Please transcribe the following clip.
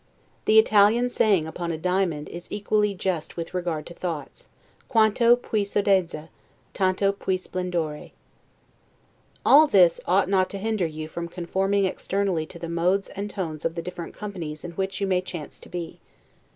The Italian saying upon a diamond is equally just with regard to thoughts, 'Quanto Piu sodezza, tanto piu splendore'. All this ought not to hinder you from conforming externally to the modes and tones of the different companies in which you may chance to be.